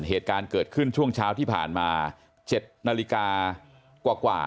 เหตุการณ์เกิดขึ้นช่วงเช้าที่ผ่านมา๗นาฬิกากว่า